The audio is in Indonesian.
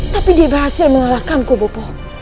tapi dia berhasil mengalahkanku bopo